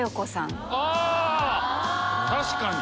確かに。